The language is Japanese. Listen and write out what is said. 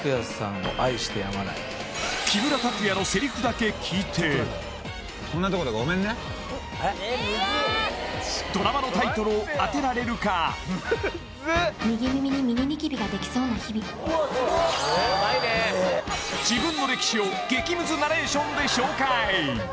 木村拓哉のセリフだけ聞いてドラマのタイトルを当てられるか？ができそうな日々うまいねすげえ自分の歴史を激むずナレーションで紹介